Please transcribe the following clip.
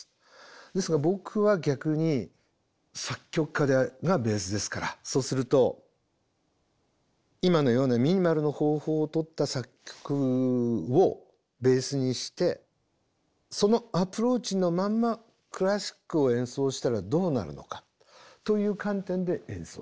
ですが僕は逆に作曲家がベースですからそうすると今のようなミニマルの方法をとった作曲をベースにしてそのアプローチのまんまクラシックを演奏したらどうなるのかという観点で演奏しました。